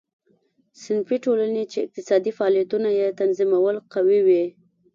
صنفي ټولنې چې اقتصادي فعالیتونه یې تنظیمول قوي وې.